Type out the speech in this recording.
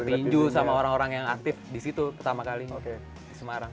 tinju sama orang orang yang aktif di situ pertama kali di semarang